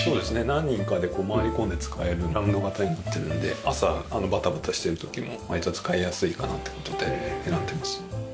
何人かで回り込んで使えるラウンド形になってるので朝バタバタしてる時も割と使いやすいかなって事で選んでます。